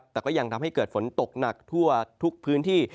แต่ก็ยังทำให้เกิดฝนตกหนักทั่วทุกพื้นที่